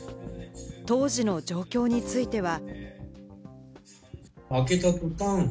当時の状況については。